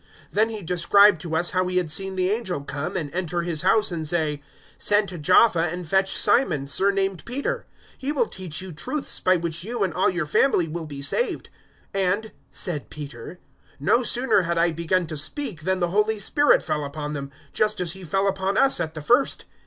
011:013 Then he described to us how he had seen the angel come and enter his house and say, "`Send to Jaffa and fetch Simon, surnamed Peter. 011:014 He will teach you truths by which you and all your family will be saved.'" 011:015 "And," said Peter, "no sooner had I begun to speak than the Holy Spirit fell upon them, just as He fell upon us at the first.